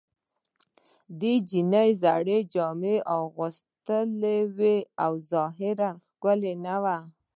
دې نجلۍ زړې جامې اغوستې وې او ظاهراً ښکلې نه وه